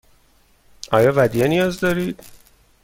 آیا ودیعه نیاز دارید؟